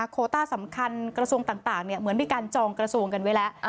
โคต้าสำคัญกระทรวงต่างเหมือนมีการจองกระทรวงกันไว้แล้ว